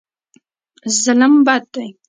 ظلم بد دی.